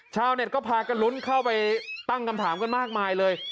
ชาวเน็ตก็พากันลุ้นเข้าไปตั้งคำถามกันมากมายเลย